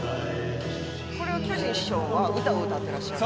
これは巨人師匠は歌を歌ってらっしゃる？